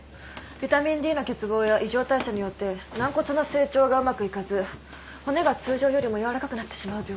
ビタミンＤの欠乏や異常代謝によって軟骨の成長がうまくいかず骨が通常よりも軟らかくなってしまう病気です。